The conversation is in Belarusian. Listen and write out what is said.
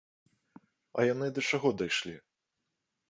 А яны да чаго дайшлі?